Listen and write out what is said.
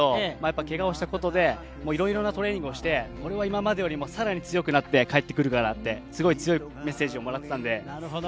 けがをしたことでいろいろなトレーニングをして今までよりもさらに強くなって帰ってくるからって、強いメッセージをもらっていた。